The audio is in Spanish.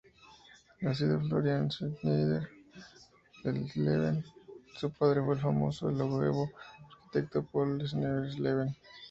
Nacido Florian Schneider-Esleben su padre fue el famoso y longevo arquitecto Paul Schneider-Esleben.